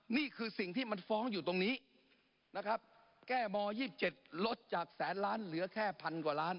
นี่คือสิ่งที่มันฟ้องอยู่ตรงนี้นะครับแก้ม๒๗ลดจากแสนล้านเหลือแค่พันกว่าล้าน